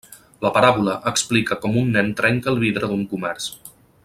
La paràbola explica com un nen trenca el vidre d'un comerç.